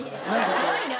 怖いな。